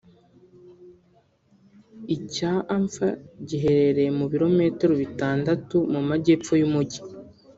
icya Anfa giherereye mu birometero bitandatu mu Majyepfo y’Umujyi